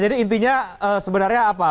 jadi intinya sebenarnya apa